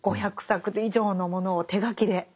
５００作以上のものを手書きで。